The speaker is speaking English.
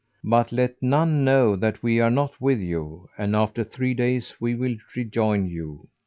But let none know that we are not with you and after three days we will rejoin you."